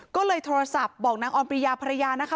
ก็เลยโทรศัพท์บอกนางออนปริยาภรรยานะคะ